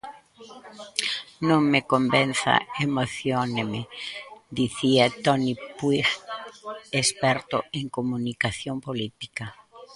"Non me convenza, emocióneme", dicía Toni Puig, experto en comunicación política.